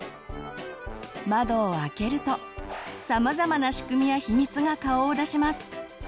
まどを開けるとさまざまな仕組みや秘密が顔を出します。